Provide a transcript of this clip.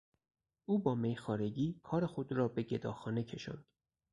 او با میخوارگی کار خود را به گداخانه کشاند.